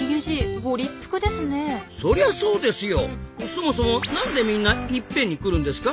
そもそもなんでみんないっぺんに来るんですか？